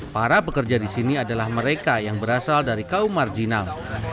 para pekerja di sini adalah mereka yang berasal dari kaum marginal